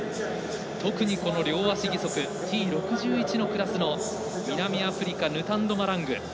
特にこの両足義足Ｔ６１のクラスの南アフリカヌタンド・マラング。